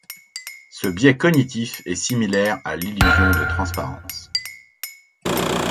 Ce biais cognitif est similaire à l'illusion de transparence.